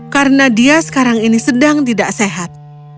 karena dia sekarang ini sedang tidak sehat